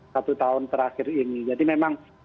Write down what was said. satu tahun terakhir ini jadi memang